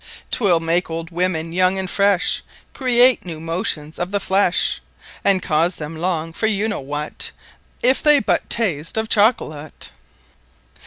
'Twill make Old women Young and Fresh; Create New Motions of the Flesh, And cause them long for you know what, If they but Tast of Chocolate.